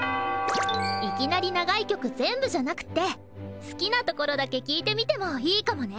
いきなり長い曲全部じゃなくて好きなところだけ聴いてみてもいいかもね！